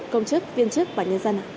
công chức viên chức và nhân dân ạ